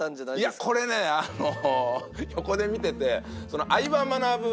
いやこれねあの横で見てて。